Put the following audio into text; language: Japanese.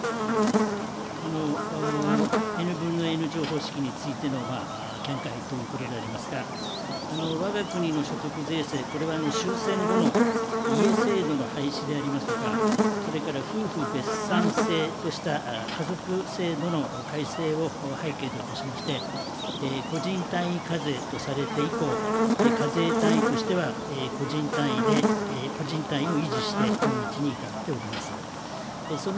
Ｎ分のＮ乗方式についての見解ということでありますが、わが国の所得税制、これは終戦後の家制度の廃止でありますとか、それから夫婦べっさん制とした家族制度の改正を背景といたしまして、個人単位課税とされて以降、課税単位としては個人単位で、個人単位を維持して、今日に至っております。